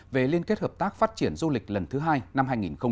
về liên kết hợp tác phát triển du lịch lần thứ hai năm hai nghìn một mươi chín